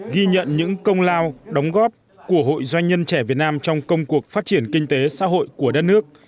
ghi nhận những công lao đóng góp của hội doanh nhân trẻ việt nam trong công cuộc phát triển kinh tế xã hội của đất nước